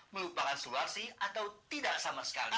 melupakan suwarsi atau tidak sama sekali